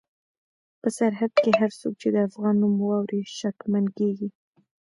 په سرحد کې هر څوک چې د افغان نوم واوري شکمن کېږي.